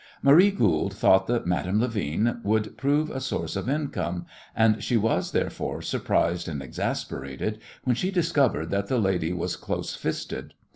Marie Goold thought that Madame Levin would prove a source of income, and she was, therefore, surprised and exasperated when she discovered that the lady was close fisted.